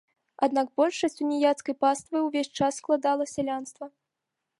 Аднак большасць уніяцкай паствы ўвесь час складала сялянства.